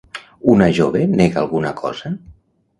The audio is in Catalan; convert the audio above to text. Una jove nega alguna cosa?